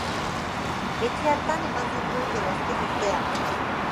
Etxe hartan eman zituen bere azken urteak.